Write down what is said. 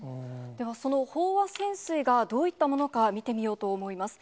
ではその飽和潜水がどういったものか、見てみようと思います。